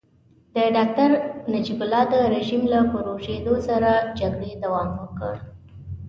د ډاکټر نجیب الله د رژيم له پرزېدو سره جګړې دوام وکړ.